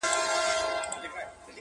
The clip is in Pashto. • نه له ویري سوای له غاره راوتلای -